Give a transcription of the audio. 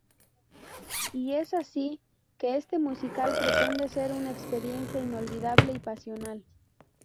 Y es así que este musical pretende ser una experiencia inolvidable y pasional.